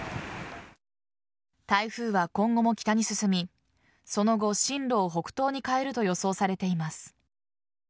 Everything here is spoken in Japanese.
台風は今後も北に進みその後進路を北東に変えると予想されています。